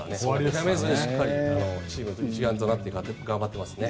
諦めずにしっかりチーム一丸となって頑張ってますね。